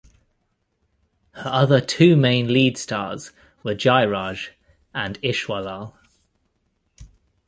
Her other two main lead stars were Jairaj, and Ishwarlal.